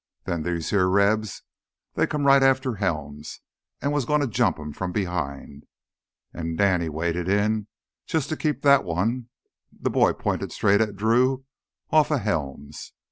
Then these here Rebs, they come right after Helms, was gonna jump him from behind. An' Danny waded in jus' to keep that one"—the boy pointed straight at Drew—"offa Helms.